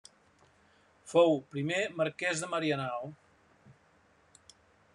Fou primer Marquès de Marianao.